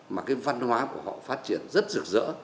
mà cái văn hóa của họ phát triển rất rực rỡ